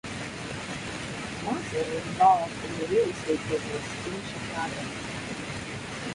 Swanson was involved in the real estate business in Chicago.